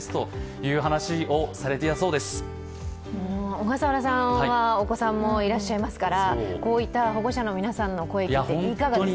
小笠原さんもお子さんもいらっしゃいますから、こういった保護者の皆さんの声を聞いていかがですか。